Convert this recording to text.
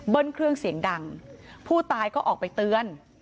เครื่องเสียงดังผู้ตายก็ออกไปเตือน